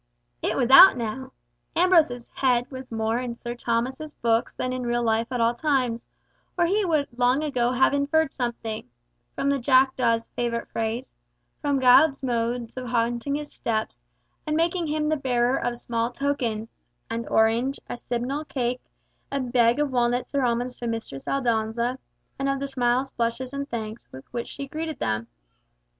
It was out now! Ambrose's head was more in Sir Thomas's books than in real life at all times, or he would long ago have inferred something—from the jackdaw's favourite phrase—from Giles's modes of haunting his steps, and making him the bearer of small tokens—an orange, a simnel cake, a bag of walnuts or almonds to Mistress Aldonza, and of the smiles, blushes, and thanks with which she greeted them.